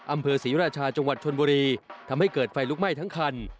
อำเภอศรีราชาจังหวัดชนบุรีทำให้เกิดไฟลุกไหม้ทั้งคัน